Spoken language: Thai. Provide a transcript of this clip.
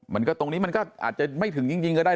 ตรงนี้มันก็อาจจะไม่ถึงจริงก็ได้